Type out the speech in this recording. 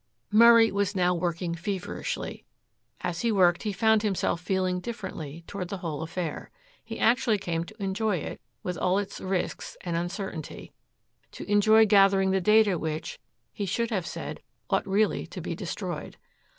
Murray was now working feverishly. As he worked he found himself feeling differently toward the whole affair. He actually came to enjoy it with all its risks and uncertainty, to enjoy gathering the data which, he should have said, ought really to be destroyed.